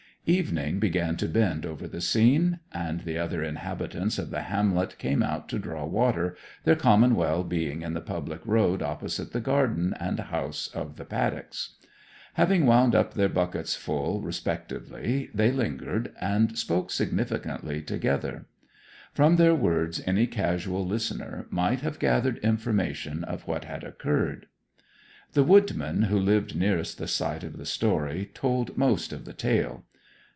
Evening began to bend over the scene; and the other inhabitants of the hamlet came out to draw water, their common well being in the public road opposite the garden and house of the Paddocks. Having wound up their bucketsfull respectively they lingered, and spoke significantly together. From their words any casual listener might have gathered information of what had occurred. The woodman who lived nearest the site of the story told most of the tale.